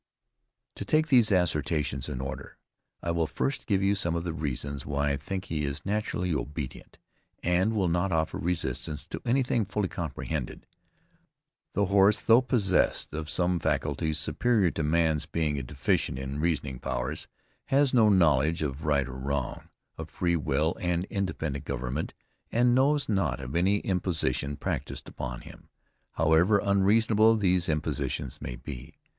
To take these assertions in order, I will first give you some of the reasons why I think he is naturally obedient, and will not offer resistance to anything fully comprehended. The horse, though possessed of some faculties superior to man's being deficient in reasoning powers, has no knowledge of right or wrong, of free will and independent government, and knows not of any imposition practiced upon him, however unreasonable these impositions may be.